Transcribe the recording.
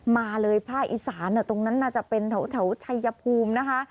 มาเลยภาคอีสานตรงนั้นน่าจะเป็นแถวชัยภูมินะคะ